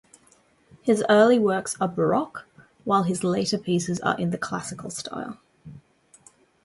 His early works are Baroque, while his later pieces are in the Classical style.